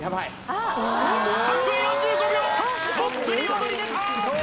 ３分４５秒トップに躍り出た！